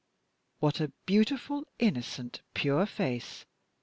"What a beautiful, innocent, pure face!"